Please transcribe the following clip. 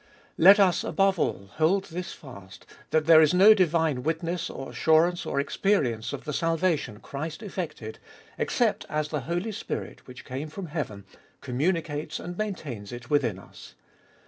Let us, above all, hold this fast that there is no divine witness, or assurance, or experience of the salvation Christ effected, except as the Holy Spirit, which came from heaven, communicates and maintains it within us.